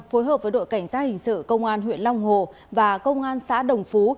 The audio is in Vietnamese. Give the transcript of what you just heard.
phối hợp với đội cảnh sát hình sự công an huyện long hồ và công an xã đồng phú